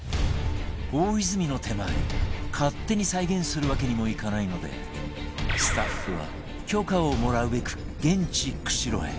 大泉の手前勝手に再現するわけにもいかないのでスタッフは許可をもらうべく現地釧路へ